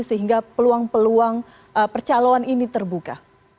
sehingga peluang peluang percaloan ini terbuka